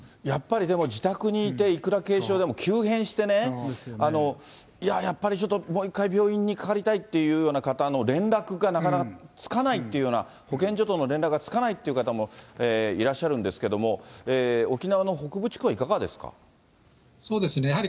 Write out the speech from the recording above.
やっぱりでも自宅にいて、いくら軽症でも急変してね、いや、やっぱりもう一回病院にかかりたいというような方の連絡がなかなかつかないっていうような、保健所との連絡がつかないっていう方もいらっしゃるんですけども、そうですね。